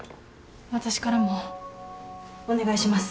私からもお願いします。